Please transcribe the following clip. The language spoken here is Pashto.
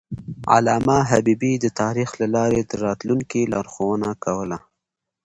علامه حبیبي د تاریخ له لارې د راتلونکي لارښوونه کوله.